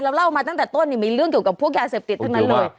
เล่ามาตั้งแต่ต้นมีเรื่องเกี่ยวกับพวกยาเสพติดทั้งนั้นเลย